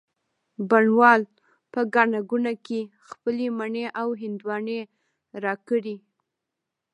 بڼ وال په ګڼه ګوڼه کي خپلې مڼې او هندواڼې را کړې